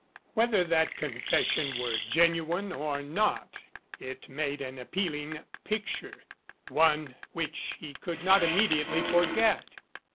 Whether that confession were genuine or not 118 THE FAIRY GODMOTHER it made an appealing picture one which he could not immediately forget.